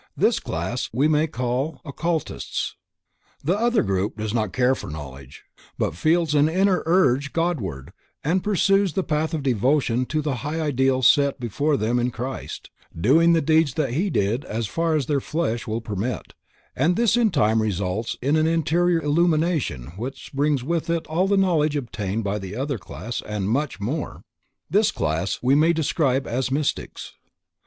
This class we may call occultists. The other group does not care for knowledge, but feels an inner urge God ward, and pursues the path of devotion to the high ideal set before them in Christ, doing the deeds that He did as far their flesh will permit, and this in time results in an interior illumination which brings with it all the knowledge obtained by the other class, and much more. This class we may describe as mystics.